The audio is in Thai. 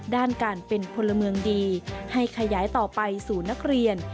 ด้านการเป็นพลเมืองดีให้ขยายต่อไปสู่นักเรียน